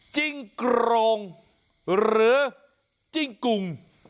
จิ้งโกรงหรือจิ้งกุ่ง